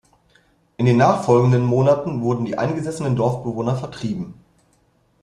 In den nachfolgenden Monaten wurden die eingesessenen Dorfbewohner vertrieben.